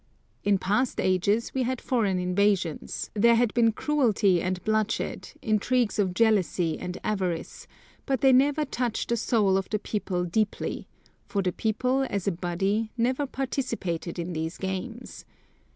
In past ages we had foreign invasions, there had been cruelty and bloodshed, intrigues of jealousy and avarice, but they never touched the soul of the people deeply; for the people, as a body, never participated in these games.